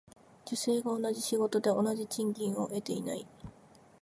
女性が同じ仕事で同じ賃金を得ていない。